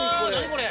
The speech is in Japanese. これ！